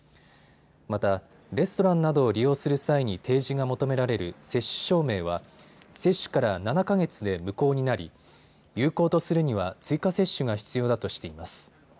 またレストランなどを利用する際に提示が求められる接種証明は接種から７か月で無効になり有効とするには追加接種が必要だとしています。